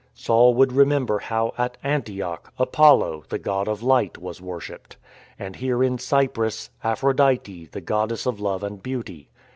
Saul would remember how at Antioch, Apollo, the god of light, was worshipped; and here in Cyprus, Aphrodite, the goddess of love and beauty.